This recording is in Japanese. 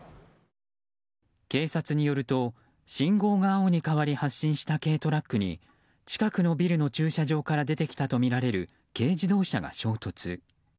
警察によると、信号が青に変わり発進した軽トラックに近くのビルの駐車場から出てきたとみられる軽自動車が衝突。